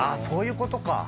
そういうことか。